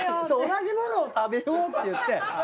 そう同じものを食べようって言って。